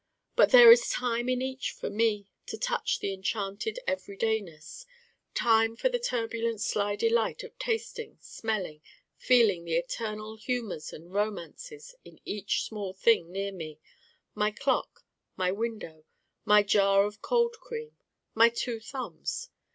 But there is time in each for me to touch the enchanted Everydayness: time for the turbulent sly delight of tasting, smelling, feeling the eternal humors and romances in each small thing near me my Clock, my Window, my Jar of Cold Cream, my Two Thumbs.